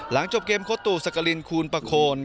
หลังจบเกมโคตุสักกรินคูณประโคน